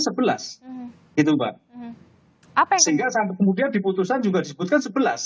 sehingga sampai kemudian di putusan juga disebutkan sebelas